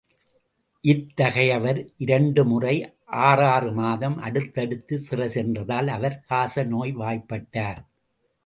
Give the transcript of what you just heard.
இத்தகையவர், இரண்டு முறை ஆறாறு மாதம் அடுத்தடுத்துச் சிறை சென்றதால், அவர் காசநோய்வாய் பட்டார்.